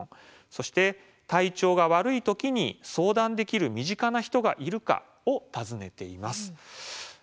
そして「体調が悪い時に相談できる身近な人がいるか」を尋ねています。